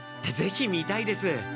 ぜひ見たいです！